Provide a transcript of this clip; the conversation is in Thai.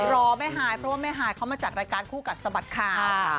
รอแม่ฮายเพราะว่าแม่ฮายเขามาจัดรายการคู่กัดสะบัดข่าว